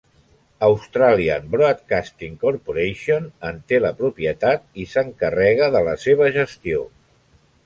Australian Broadcasting Corporation en té la propietat i s'encarrega de la seva gestió.